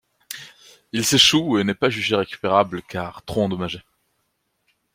Il s’échoue et n’est pas jugé récupérable car trop endommagé.